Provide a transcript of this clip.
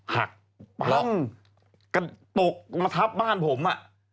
หักเพราะกระตกมาทับบ้านผม